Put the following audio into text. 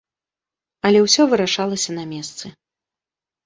Але ўсё вырашалася на месцы.